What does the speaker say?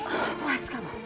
oke puas kamu